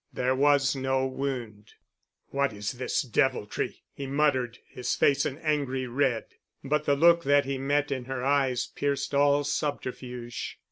There was no wound. "What's this deviltry?" he muttered, his face an angry red. But the look that he met in her eyes pierced all subterfuge.